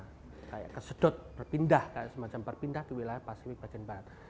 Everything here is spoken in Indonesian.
kayak kesedot berpindah kayak semacam berpindah ke wilayah pasifik bagian barat